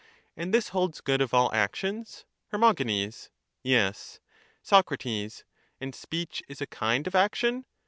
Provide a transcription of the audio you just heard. And this holds good of all actions? Her. Yes. Soc. And speech is a kind of action?